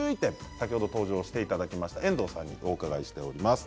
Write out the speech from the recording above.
先ほど登場していただいた遠藤さんにお伺いしています。